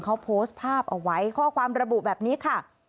เขาโพสต์ภาพเอาไว้ข้อความระบุแบบนี้ค่ะ